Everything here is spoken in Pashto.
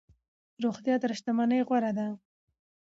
روغتيا تر شتمنۍ غوره ده.